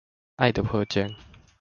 愛的迫降